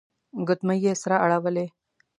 ګوتمۍ يې سره اړولې.